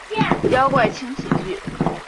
妖怪轻喜剧！